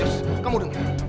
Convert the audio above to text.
yus kamu dengar